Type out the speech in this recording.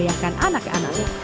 terus membahayakan anak anaknya